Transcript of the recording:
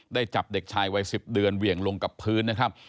จับเด็กชายวัย๑๐เดือนเหวี่ยงลงกับพื้นนะครับ